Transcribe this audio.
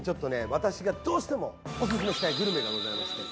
私がどうしてもオススメしたいグルメがございまして。